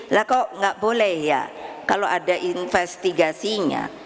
lah kok nggak boleh ya kalau ada investigasinya